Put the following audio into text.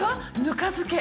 ぬか漬け。